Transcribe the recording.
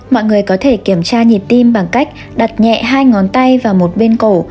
mọi người có thể kiểm tra nhịp tim bằng cách đặt nhẹ hai ngón tay và một bên cổ